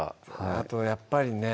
あとやっぱりね